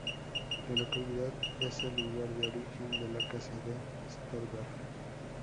La localidad es el lugar de origen de la Casa de Stolberg.